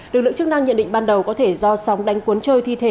lực lượng chức năng nhận định ban đầu có thể do sóng đánh cuốn trôi thi thể